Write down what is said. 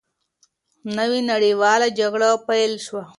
نوې نړیواله جګړه پیل شوه.